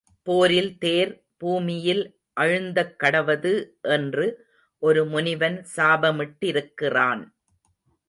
போரில் தேர் பூமியில் அழுந்தக்கடவது என்று ஒரு முனிவன் சாப மிட்டிருக்கிறான்.